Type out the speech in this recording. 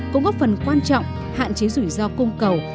cũng góp phần quan trọng hạn chế rủi ro cung cầu